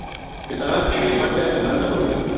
بِساکھ ڈیرو پٹ کے کاگان تا ٹُر گیا